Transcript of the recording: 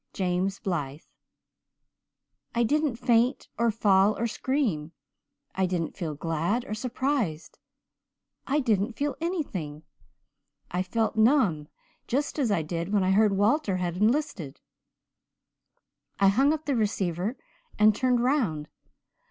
James Blythe.' "I didn't faint or fall or scream. I didn't feel glad or surprised. I didn't feel anything. I felt numb, just as I did when I heard Walter had enlisted. I hung up the receiver and turned round.